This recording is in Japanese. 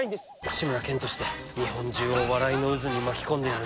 「志村けんとして日本中を笑いの渦に巻き込んでやるんだ」